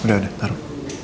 ya udah udah taruh